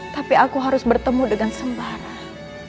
tapi aku harus bertemu dengan sembarang